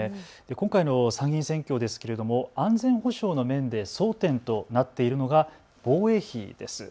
今回の参議院選挙ですけれども安全保障の面で争点となっているのが防衛費です。